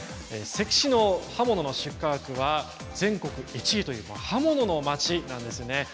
関市の刃物の出荷額は全国１位という刃物の町なんですね。